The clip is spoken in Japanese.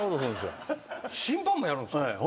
審判もやるんすか？